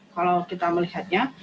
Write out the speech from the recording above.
kalau kita melihatnya